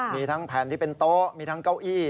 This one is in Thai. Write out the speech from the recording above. มีทั้งแผ่นที่เป็นโต๊ะมีทั้งเก้าอี้